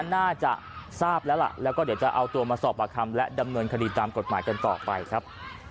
น่าจะทราบแล้วล่ะแล้วก็เดี๋ยวจะเอาตัวมาสอบประคำและดำเนินคดีตามกฎหมายกันต่อไปครับ